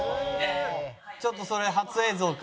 ちょっとそれ初映像か。